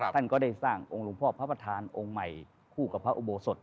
ท่านก็ได้สร้างองค์หลวงพ่อพระประธานองค์ใหม่คู่กับพระอุโบสถ